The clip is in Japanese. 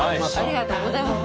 ありがとうございます。